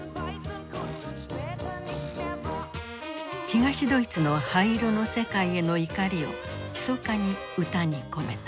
東ドイツの灰色の世界への怒りをひそかに歌に込めた。